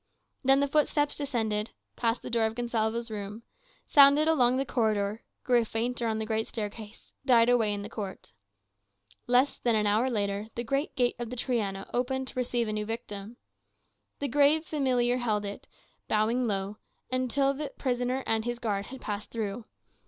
Then the footsteps descended, passed the door of Gonsalvo's room, sounded along the corridor, grew fainter on the great staircase, died away in the court. Less than an hour afterwards, the great gate of the Triana opened to receive a new victim. The grave familiar held it, bowing low, until the prisoner and his guard had passed through.